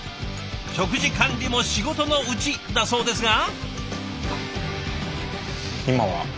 「食事管理も仕事のうち」だそうですが。